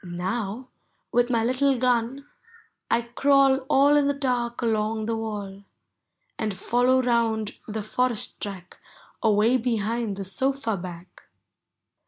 Now, with niy little gun. I crawl All in the dark along the wall. And follow round the forest track Away behind the sofa back.